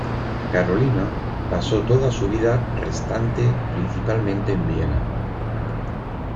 Carolina pasó toda su vida restante principalmente en Viena.